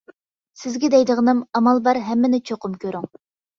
سىزگە دەيدىغىنىم، ئامال بار ھەممىنى چوقۇم كۆرۈڭ.